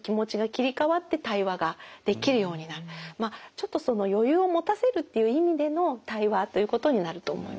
ちょっと余裕を持たせるっていう意味での対話ということになると思いますね。